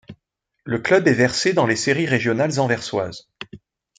Le club est versé dans les séries régionales anversoises.